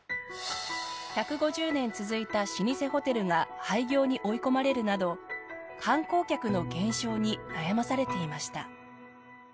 １５０年続いた老舗ホテルが廃業に追い込まれるなど観光客の減少に悩まされていました。